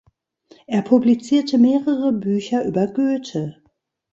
Er publizierte mehrere Bücher über Goethe.